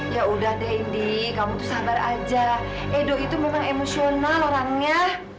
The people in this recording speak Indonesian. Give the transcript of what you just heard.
ya udah deh indi kamu tuh sabar aja edo itu emosional orangnya